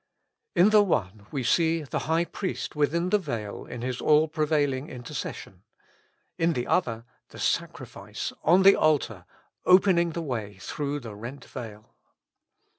In the one we see the High Priest within the veil in His all prevailing intercession ; in the other, the sacrifice on the altar opening the way through the rent veil.